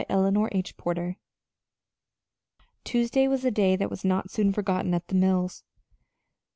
CHAPTER XXXVIII Tuesday was a day that was not soon forgotten at the mills.